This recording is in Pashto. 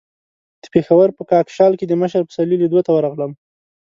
د پېښور په کاکشال کې د مشر پسرلي لیدو ته ورغلم.